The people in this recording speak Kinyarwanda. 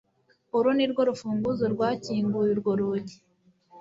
uru nirwo rufunguzo rwakinguye urwo rugi